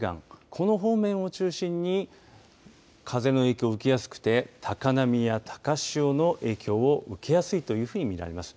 この方面を中心に風の影響を受けやすくて高波や高潮の影響を受けやすいというふうに見られます。